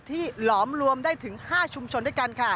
หลอมรวมได้ถึง๕ชุมชนด้วยกันค่ะ